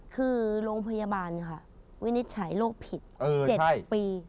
คือโรงพยาบาลค่ะวินิจฉัยโรคผิด๗ปี